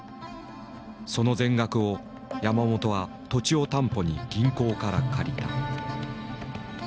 その全額を山本は土地を担保に銀行から借りた。